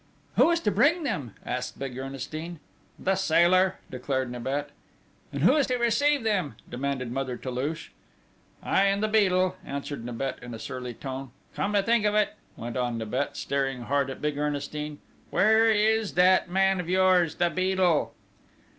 "Who is to bring them?" asked big Ernestine. "The Sailor," declared Nibet. "And who is to receive them?" demanded Mother Toulouche. "I and the Beadle," answered Nibet in a surly tone. "Come to think of it," went on Nibet, staring hard at big Ernestine, "where is that man of yours the Beadle?"